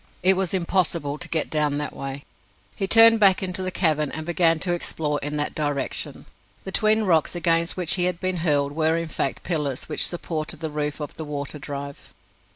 It was impossible to get down that way. He turned back into the cavern, and began to explore in that direction. The twin rocks against which he had been hurled were, in fact, pillars which supported the roof of the water drive.